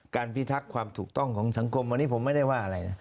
พิทักษ์ความถูกต้องของสังคมวันนี้ผมไม่ได้ว่าอะไรนะ